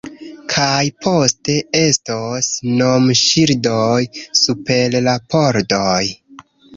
Kaj poste estos nomŝildoj super la pordoj